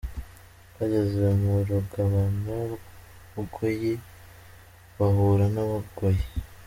Bageze mu rugabano rwa Bugoyi, bahura n’Abagoyi.